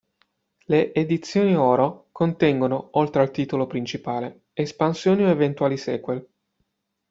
Le Edizioni Oro contengono, oltre al titolo principale, espansioni o eventuali sequel.